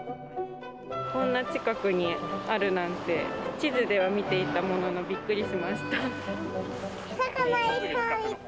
こんな近くにあるなんて、地図では見ていたものの、びっくりしました。